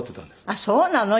あっそうなの？